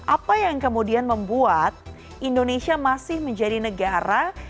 apa yang kemudian membuat indonesia masih menjadi negara